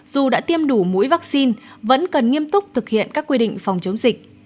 dù đã tiêm đủ mũi vaccine vẫn cần nghiêm túc thực hiện các quy định phòng chống dịch